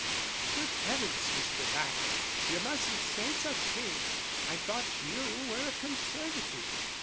"Good heavens, Mr. Bacot, you mustn't say such things. I thought you were a Conservative."